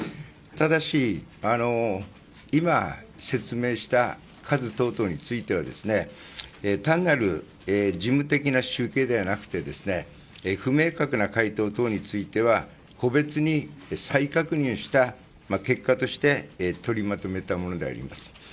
ただし、今説明した数等々については単なる事務的な集計ではなくて不明確な回答等については個別に再確認した結果として取りまとめたものであります。